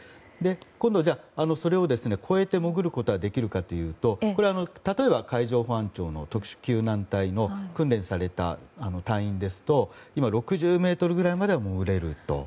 今度、それを超えて潜ることはできるかというと例えば海上保安庁の特殊救難隊の訓練された隊員ですと今、６０ｍぐらいまでは潜れると。